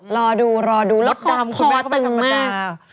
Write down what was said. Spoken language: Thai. รอดูรถดำคุณแม่ก็ไม่ตึงมาก